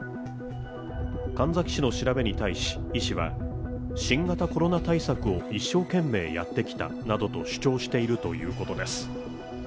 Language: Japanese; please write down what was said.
神埼市の調べに対し、医師は新型コロナ対策を一生懸命やってきたなどと主張しているということです。